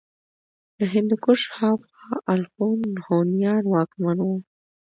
له هندوکش هاخوا الخون هونيان واکمن وو